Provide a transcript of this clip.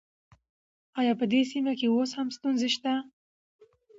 آيا په دې سيمه کې اوس هم ستونزې شته؟